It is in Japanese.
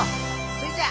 それじゃあ